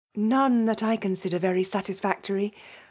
'' None that I consider very satisfiustoiy.